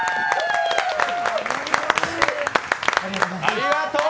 ありがとう！